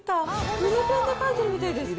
筆ペンで書いてるみたいです。